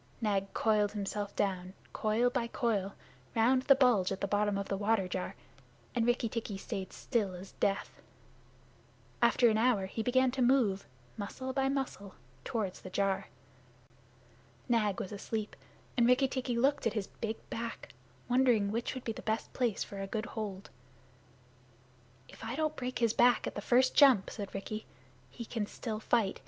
Nag coiled himself down, coil by coil, round the bulge at the bottom of the water jar, and Rikki tikki stayed still as death. After an hour he began to move, muscle by muscle, toward the jar. Nag was asleep, and Rikki tikki looked at his big back, wondering which would be the best place for a good hold. "If I don't break his back at the first jump," said Rikki, "he can still fight.